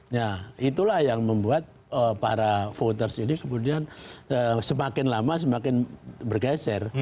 nah itulah yang membuat para voters ini kemudian semakin lama semakin bergeser